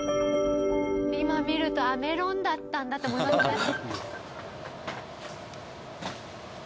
今見るとメロンだったんだって思いますね。